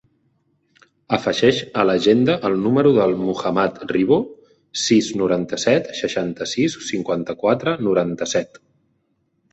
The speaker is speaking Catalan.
Afegeix a l'agenda el número del Muhammad Ribo: sis, noranta-set, seixanta-sis, cinquanta-quatre, noranta-set.